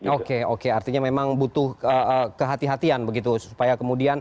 oke oke artinya memang butuh kehatian kehatian begitu supaya kemudian